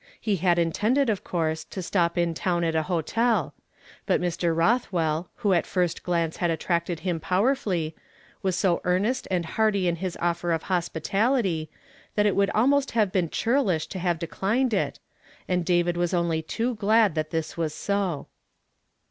He had intended, of course, to stop in town at a hotel ; but Mr. Rothwell, who at first glance had attracted him powerfully, was so earnest and l;1l 138 YESTERDAY FllAMED IN TO DAY. IK! M^ heany in his offer of hospitality, that it would almost have been churlish to have declined it, and David was only too glad that this was so.